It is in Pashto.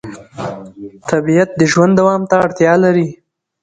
طبیعت د ژوند دوام ته اړتیا لري